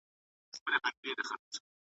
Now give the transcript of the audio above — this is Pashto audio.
یوه ورځ به دې پخپله بندیوان وي